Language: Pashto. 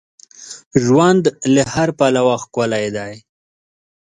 ژوند له هر پلوه ښکلی دی.